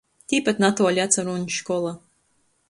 Tīpat natuoli atsarūn škola.